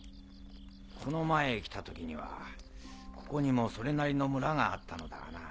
この前来た時にはここにもそれなりの村があったのだがな。